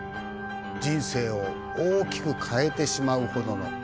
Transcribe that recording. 人生を大きく変えてしまうほどの。